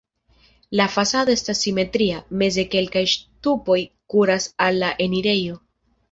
La fasado estas simetria, meze kelkaj ŝtupoj kuras al la enirejo.